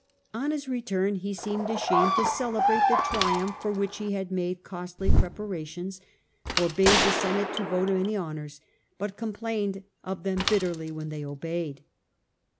On his return he seemed ashamed to celebrate the triumph for which he had made costly pre parations, forbade the Senate to vote him any honours, but complained of them bitterly when they obeyed.